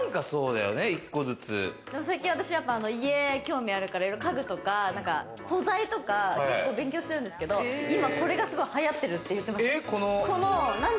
最近、私、家に興味あるから、いろいろ家具とか、素材とか、結構勉強してるんですけれども、今これがすごい流行ってるって言ってました。